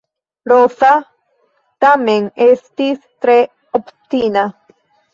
Roza tamen estis tre obstina.